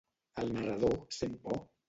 El narrador sent por?